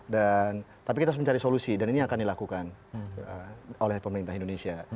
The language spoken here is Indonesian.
dan tapi kita harus mencari solusi dan ini akan dilakukan oleh pemerintah indonesia